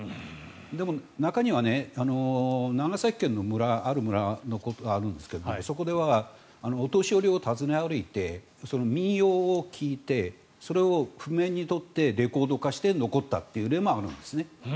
でも、中には長崎県のある村のことがあるんですがそこではお年寄りを訪ね歩いて民謡を聴いてそれを譜面にとってレコード化して残ったという例もあるんです。